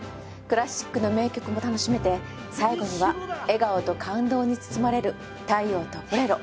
クラシックの名曲も楽しめて最後には笑顔と感動に包まれる『太陽とボレロ』。